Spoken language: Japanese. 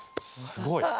すごいよ。